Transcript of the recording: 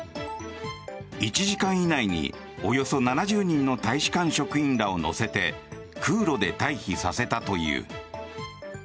１時間以内におよそ７０人の大使館職員らを乗せて空路で退避させたという。